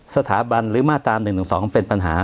สถาบันหรือมาตรา๑๑๒เป็นปัญหา